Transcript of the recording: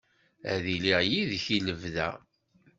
Ad iliɣ yid-k i lebda.